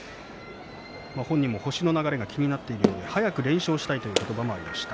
本人も星の流れが気になっているようで早く連勝したいと言っていました。